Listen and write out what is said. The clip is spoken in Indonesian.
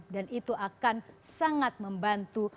dan itu akan sangat membantu